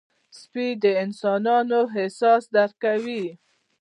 سپي د انسانانو احساس درک کوي.